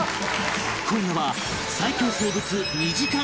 今夜は